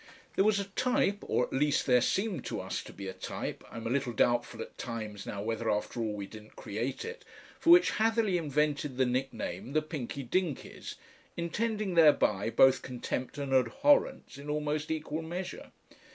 There was a type, or at least there seemed to us to be a type I'm a little doubtful at times now whether after all we didn't create it for which Hatherleigh invented the nickname the "Pinky Dinkys," intending thereby both contempt and abhorrence in almost equal measure.